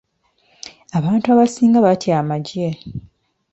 Abantu abasinga batya amagye.